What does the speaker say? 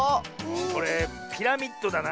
これピラミッドだな。